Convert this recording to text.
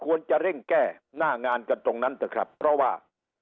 ควรจะเร่งแก้หน้างานกันตรงนั้นเถอะครับเพราะว่า